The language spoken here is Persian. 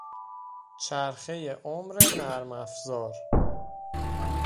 چرخه عمر نرم افزار